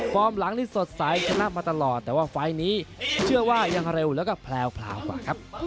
หลังนี้สดใสชนะมาตลอดแต่ว่าไฟล์นี้เชื่อว่ายังเร็วแล้วก็แพลวกว่าครับ